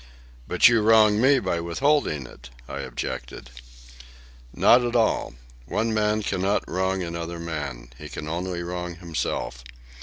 "But you wrong me by withholding it," I objected. "Not at all. One man cannot wrong another man. He can only wrong himself.